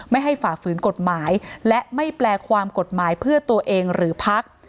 ให้ฝ่าฝืนกฎหมายและไม่แปลความกฎหมายเพื่อตัวเองหรือพัก